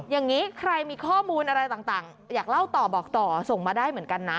อย่างนี้ใครมีข้อมูลอะไรต่างอยากเล่าต่อบอกต่อส่งมาได้เหมือนกันนะ